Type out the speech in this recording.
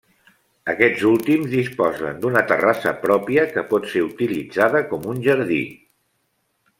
Aquests últims disposen d'una terrassa pròpia que pot ser utilitzada com un jardí.